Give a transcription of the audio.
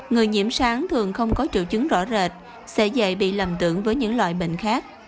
người nhiễm sán thường không có triệu chứng rõ rệt sẽ dễ bị lầm tưởng với những loại bệnh khác